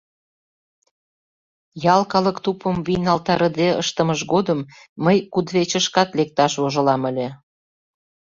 Ял калык тупым вийналтарыде ыштымыж годым мый кудывечышкат лекташ вожылам ыле.